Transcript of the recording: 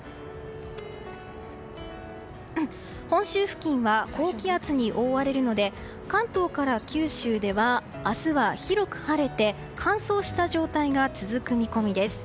本州付近は高気圧に覆われるので関東から九州では明日は広く晴れて乾燥した状態が続く見込みです。